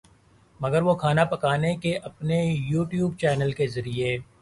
مگر وہ کھانا پکانے کے اپنے یو ٹیوب چینل کے ذریعے